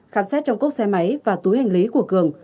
khám xét trong cốc xe máy và túi hành lý của cường